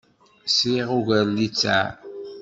Sriɣ ugar n littseɛ.